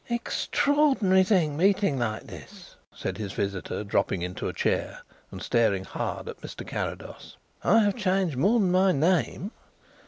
"Extraordinary thing meeting like this," said his visitor, dropping into a chair and staring hard at Mr. Carrados. "I have changed more than my name.